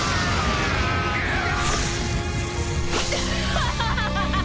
アハハハハ！